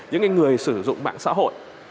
những người sử dụng mạng xã hội